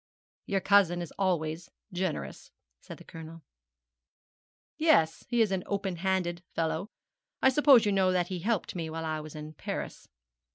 'Your cousin is always generous,' said the Colonel. 'Yes, he is an open handed fellow. I suppose you know that he helped me while I was in Paris.'